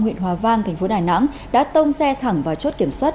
huyện hòa vang tp đà nẵng đã tông xe thẳng vào chốt kiểm soát